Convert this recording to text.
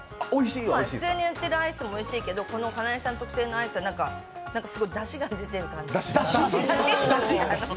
普通に売ってるアイスもおいしいけどカナイさんの作ったアイスもすごい、だしが出てる感じで。